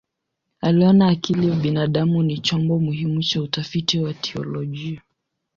Aliona akili ya binadamu ni chombo muhimu cha utafiti wa teolojia.